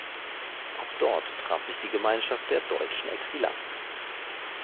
Auch dort traf sich die Gemeinschaft der deutschen Exilanten.